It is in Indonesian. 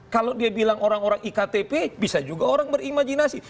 kalau dia bilang orang orang iktp bisa juga orang berimajinasi